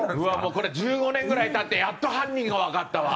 これ、１５年ぐらい経ってやっと犯人がわかったわ。